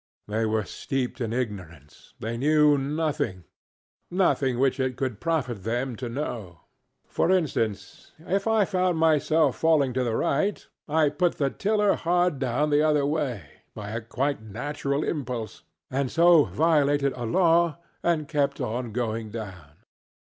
They were steeped in ignorance; they knew nothingŌĆönothing which it could profit them to know. For instance, if I found myself falling to the right, I put the tiller hard down the other way, by a quite natural impulse, and so violated a law, and kept on going down.